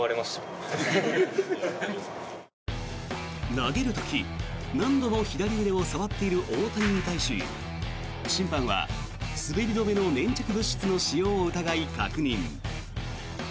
投げる時、何度も左腕を触っている大谷に対し審判は滑り止めの粘着物質の使用を疑い確認。